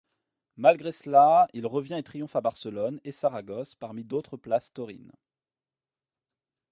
Malgré cela, il revient et triomphe à Barcelone et Saragosse parmi d'autres places taurines.